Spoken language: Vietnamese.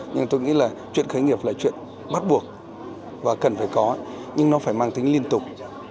nhưng tôi nghĩ là chuyện khởi nghiệp là chuyện bắt buộc và cần phải có nhưng nó phải mang tính liên tục